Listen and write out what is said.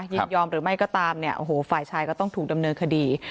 ยินยอมหรือไม่ก็ตามเนี่ยโอ้โหฝ่ายชายก็ต้องถูกดำเนินคดี